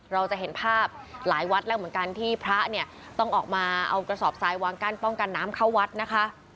เราจะเห็นภาพหลายวัดแล้วเหมือนกันที่พระเนี่ยต้องออกมาเอากระสอบทรายวางกั้นป้องกันน้ำเข้าวัดนะคะ